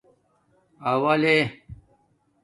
اݸ لے